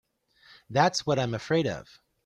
That's what I'm afraid of.